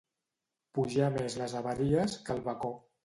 Pujar més les haveries que el bacó.